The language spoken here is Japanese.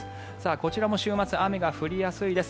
こちらも週末、雨が降りやすいです。